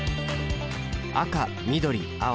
赤緑青。